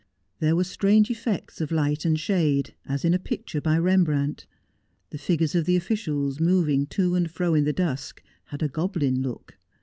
There were strange effects of light and shade, as in a picture by Rembrandt. The figures of the officials moving to and fro in the dusk had a goblin look.